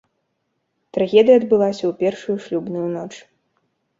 Трагедыя адбылася ў першую шлюбную ноч.